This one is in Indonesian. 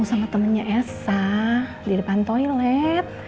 kamu sama temennya elsa di depan toilet